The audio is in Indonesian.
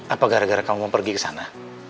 apa gara gara kamu mau pergi ke sana